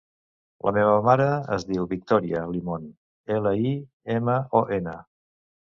La meva mare es diu Victòria Limon: ela, i, ema, o, ena.